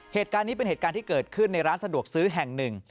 เหตุการณ์นี้เป็นเหตุการณ์ที่เกิดขึ้นในร้านสะดวกซื้อแห่งหนึ่ง